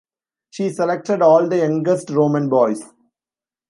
She selected all the youngest Roman boys.